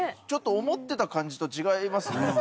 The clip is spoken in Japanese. ちょっと思ってた感じと違いますね。